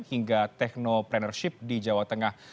hingga techno planership di jawa tengah